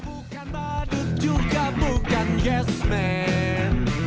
bukan badut juga bukan yes man